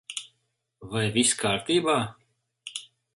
Vai viss kārtībā?